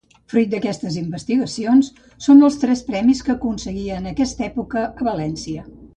Fruit d'aquestes investigacions són els tres premis que aconseguí en aquesta època a València.